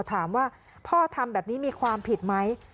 ถามว่าพ่อทำแบบนี้มีความผิดไหม